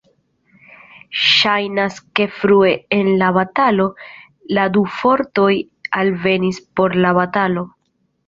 Ŝajnas ke frue en la batalo, la du fortoj alvenis por la batalo.